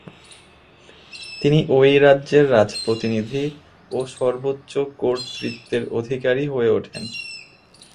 তিনি ওয়েই রাজ্যের রাজপ্রতিনিধি ও সর্বোচ্চ কর্তৃত্বের অধিকারী হয়ে ওঠেন।